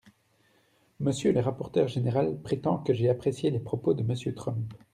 Monsieur le rapporteur général prétend que j’ai apprécié les propos de Monsieur Trump.